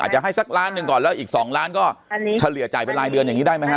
จะให้สักล้านหนึ่งก่อนแล้วอีก๒ล้านก็เฉลี่ยจ่ายเป็นรายเดือนอย่างนี้ได้ไหมฮ